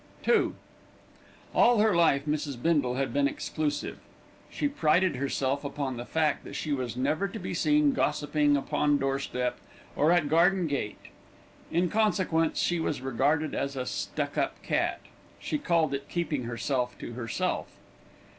II All her life Mrs. Bindle had been exclusive. She prided herself upon the fact that she was never to be seen gossiping upon doorstep, or at garden gate. In consequence, she was regarded as "a stuck up cat"; she called it keeping herself to herself.